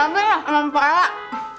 yang tujuan aja enak banget